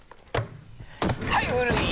はい古い！